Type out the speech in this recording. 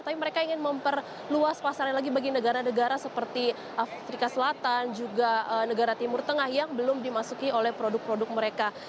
tapi mereka ingin memperluas pasarnya lagi bagi negara negara seperti afrika selatan juga negara timur tengah yang belum dimasuki oleh produk produk mereka